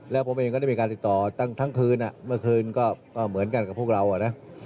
แล้วผมเองก็ได้มีการติดต่อตั้งทั้งคืนเมื่อคืนก็เหมือนกันกับพวกเราอ่ะนะ